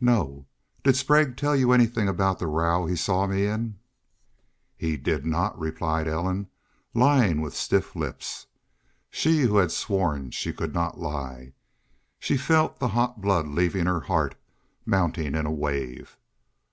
"No.... Did Sprague tell you anythin' about the row he saw me in?" "He did not," replied Ellen, lying with stiff lips. She who had sworn she could not lie! She felt the hot blood leaving her heart, mounting in a wave.